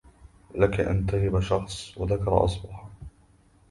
لك إن تغب شخص وذكر أصبحا